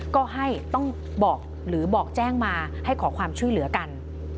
ก็ให้ต้องบอกหรือบอกแจ้งมาให้ขอความช่วยเหลือกัน